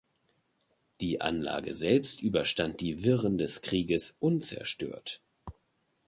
Die Anlage selbst überstand die Wirren des Krieges unzerstört.